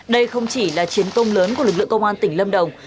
đây không chỉ là chiến công lớn của lực lượng công an tỉnh lâm đồng